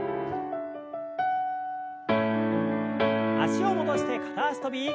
脚を戻して片脚跳び。